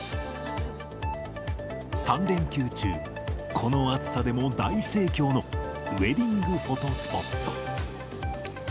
３連休中、この暑さでも大盛況のウエディングフォトスポット。